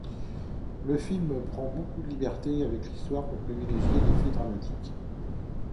Le film prend beaucoup de libertés avec l'histoire, pour privilégier l'effet dramatique.